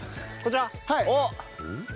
はい。